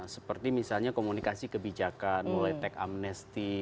seperti misalnya komunikasi kebijakan mulai teks amnesty